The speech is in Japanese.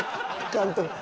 監督